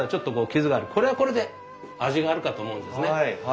これはこれで味があるかと思うんですね。